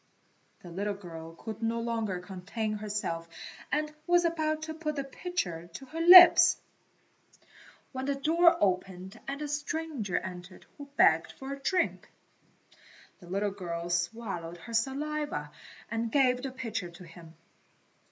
The little girl could no longer contain herself and was about to put the pitcher to her lips, when the door opened and a stranger entered who begged for a drink. The little girl swallowed her saliva and gave the pitcher to him.